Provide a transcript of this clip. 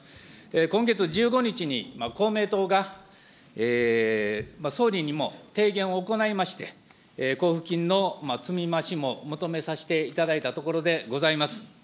今月１５日に、公明党が総理にも提言を行いまして、交付金の積み増しも求めさせていただいたところでございます。